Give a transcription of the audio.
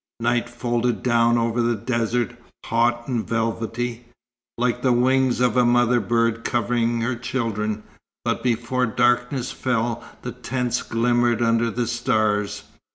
Night folded down over the desert, hot and velvety, like the wings of a mother bird covering her children; but before darkness fell, the tents glimmered under the stars.